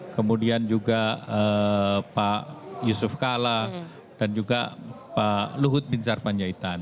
kemudian juga pak yusuf kala dan juga pak luhut bin sarpanjaitan